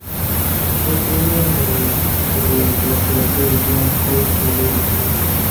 ښه تیاره وه چې د عبدالقاهر جان کور ته ورسېدو.